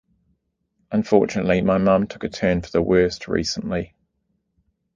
Unfortunately my mum took a turn for the worse recently.